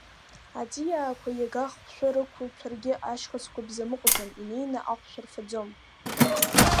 Аҵиаақәа иага хәшәы рықәуҭәаргьы, ашьхыцқәа бзамыҟәӡам, инеины ахәшә рфаӡом.